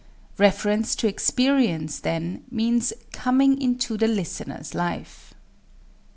Reference to Experience, then, means coming into the listener's life.